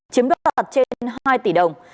chiếm đoạt trên hai tỷ đồng